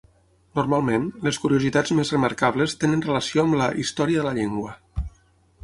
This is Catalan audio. Normalment, les curiositats més remarcables tenen relació amb la "història de la llengua".